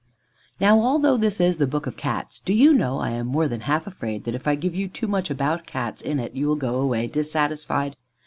_ Now, although this is the Book of Cats, do you know I am more than half afraid that if I give you too much about Cats in it, you will go away dissatisfied.